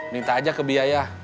minta aja ke biaya